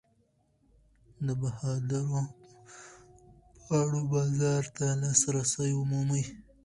د بهادرو پاڼو بازار ته لاسرسی ومومئ.